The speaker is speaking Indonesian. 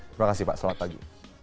terima kasih pak selamat pagi